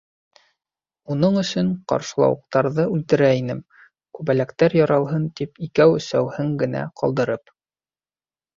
Уның өсөн ҡаршлауыҡтарҙы үлтерә инем, күбәләктәр яралһын тип икәү-өсәүһен генә ҡалдырып.